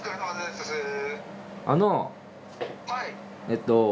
あのえっと。